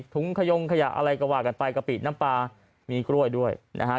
ถุงขยงขยะอะไรก็ว่ากันไปกะปิน้ำปลามีกล้วยด้วยนะฮะ